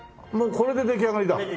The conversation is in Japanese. これで出来上がり。